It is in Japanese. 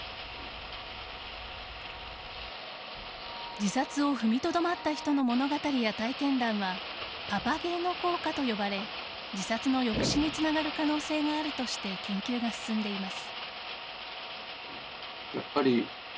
自殺を踏みとどまった人の物語や体験談はパパゲーノ効果と呼ばれ自殺の抑止につながる可能性があるとして研究が進んでいます。